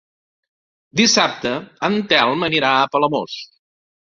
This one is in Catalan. Dissabte en Telm anirà a Palamós.